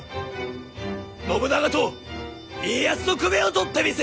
信長と家康の首を取ってみせよ！